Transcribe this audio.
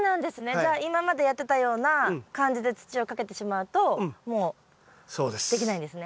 じゃあ今までやってたような感じで土をかけてしまうともうできないんですね。